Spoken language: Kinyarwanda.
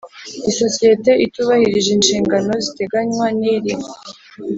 Isosiyete itubahirije inshingano ziteganywa n iri